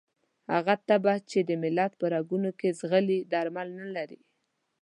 هغه تبه چې د ملت په رګونو کې ځغلي درمل نه لري.